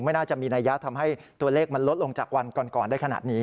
ไม่น่าจะมีนัยยะทำให้ตัวเลขมันลดลงจากวันก่อนได้ขนาดนี้